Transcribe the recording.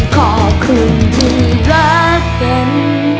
ขอบคุณที่รักกัน